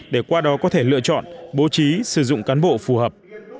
để qua đó có thể lựa chọn bố trí sử dụng cán bộ phù hợp